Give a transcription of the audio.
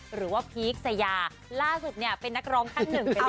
หรือว่าพีคทัศนาสยาล่าสุดเป็นนักร้องขั้นหนึ่งไปแล้ว